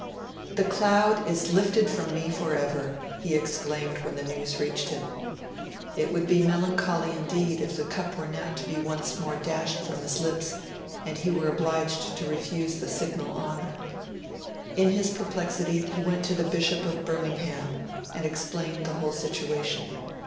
'The cloud is lifted from me for ever!' he exclaimed when the news reached him. It would be melancholy indeed if the cup were now to be once more dashed from his lips and he was obliged to refuse the signal honour. In his perplexity he went to the Bishop of Birmingham and explained the whole situation.